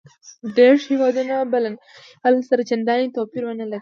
دېرش هېوادونه به له ننني حالت سره چندان توپیر ونه لري.